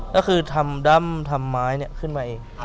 ก็คือทำด้ำทำไม้ขึ้นมาเอง